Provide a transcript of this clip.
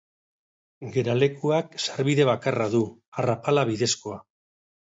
Geralekuak sarbide bakarra du, arrapala bidezkoa.